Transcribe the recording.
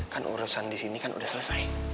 kan urusan di sini kan sudah selesai